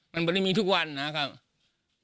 มันบริมีทุกวันนะครับ